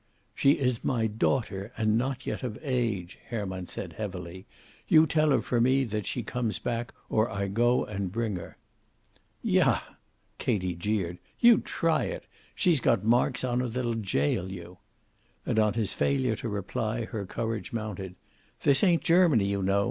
"She is my daughter, and not yet of age," Herman said heavily. "You tell her for me that she comes back, or I go and bring her." "Yah!" Katie jeered. "You try it! She's got marks on her that'll jail you." And on his failure to reply her courage mounted. "This ain't Germany, you know.